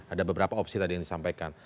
ada beberapa opsi tadi yang disampaikan